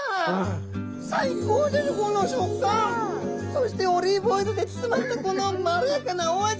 そしてオリーブオイルで包まれたこのまろやかなお味。